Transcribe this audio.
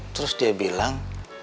terus dia bilang